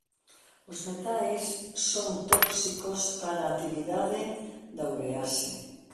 Os metais son tóxicos para a actividade da urease.